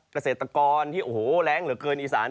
เกษตรกรที่โอ้โหแรงเหลือเกินอีสาน